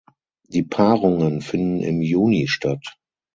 Die Paarungen finden im Juni statt.